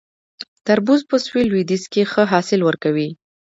تربوز په سویل لویدیځ کې ښه حاصل ورکوي